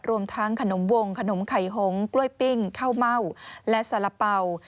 รวมทั้งขนมวงขนมไข่หงกล้วยปิ้งข้าวเม่าและสาระเป๋า